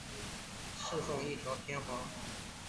侍奉一条天皇。